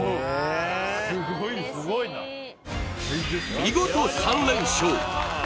見事３連勝